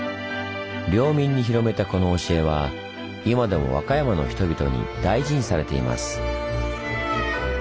領民に広めたこの教えは今でも和歌山の人々に大事にされています。